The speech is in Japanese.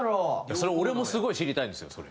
それ俺もすごい知りたいんですよそれ。